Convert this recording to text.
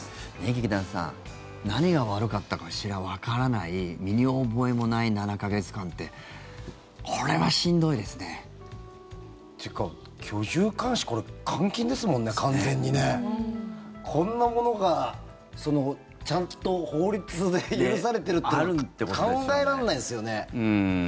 劇団さん何が悪かったかわからない身に覚えもない７か月間ってこれはしんどいですね。というか、居住監視これ監禁ですもんね、完全にね。こんなものがちゃんと法律で許されてるって怖っ。